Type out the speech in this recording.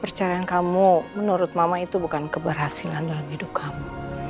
percayaan kamu menurut mama itu bukan keberhasilan dalam hidup kamu